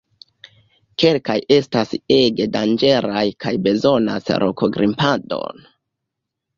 Kelkaj estas ege danĝeraj kaj bezonas rok-grimpadon.